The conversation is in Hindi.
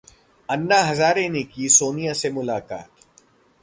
अन्ना हजारे ने की सोनिया से मुलाकात